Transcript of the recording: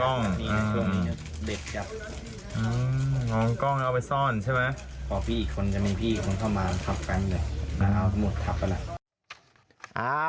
พอพี่อีกคนจะมีพี่อีกคนเข้ามาทับกันเดี๋ยวมาเอาสมุดทับกันแหละ